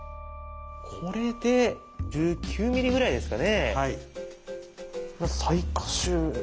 これで１９ｍｍぐらいですかね。